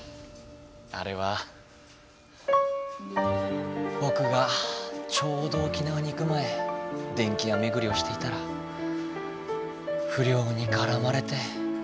あれはぼくがちょうど沖縄に行く前電気やめぐりをしていたらふりょうにからまれて。